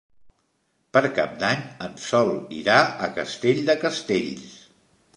Per Cap d'Any en Sol irà a Castell de Castells.